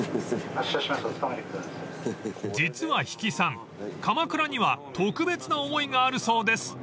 ［実は比企さん鎌倉には特別な思いがあるそうです］